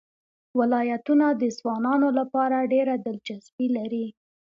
ولایتونه د ځوانانو لپاره ډېره دلچسپي لري.